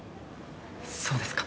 そうですか。